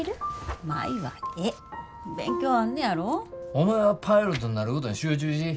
お前はパイロットになることに集中し。